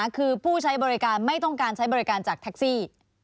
คือผู้ใช้บริการไม่ต้องการใช้บริการจากแท็กซี่